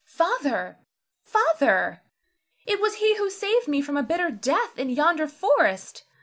Father, Father, it was he who saved me from a bitter death in yonder forest.